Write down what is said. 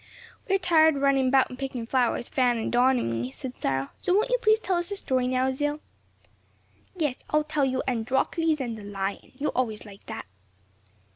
"We're tired running 'bout and picking flowers, Fan and Don and me," said Cyril; "so won't you please tell us a story now, Zil?" "Yes; I'll tell you Androcles and the Lion; you always like that."